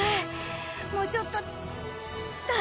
もうちょっと。